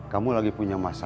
kamu lagi punya masalah ya